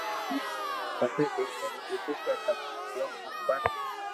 پسي ٻيئر اي ڪآدو ڪي تمو ڪيو ھون پر